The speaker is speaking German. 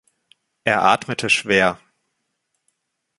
Er atmete schwer.